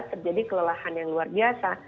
terjadi kelelahan yang luar biasa